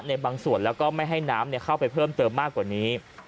ในบางส่วนแล้วก็ไม่ให้น้ำเข้าไปเพิ่มเติมมากกว่านี้